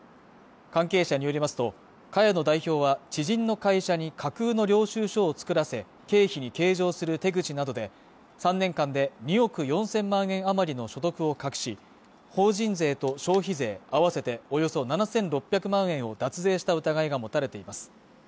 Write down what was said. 関係者によりますと茅野代表は知人の会社に架空の領収書を作らせ経費に計上する手口などで３年間で２億４０００万円余りの所得を隠し法人税と消費税合わせておよそ７６００万円を脱税した疑いが持たれています